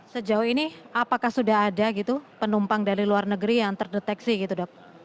sejauh ini apakah sudah ada gitu penumpang dari luar negeri yang terdeteksi gitu dok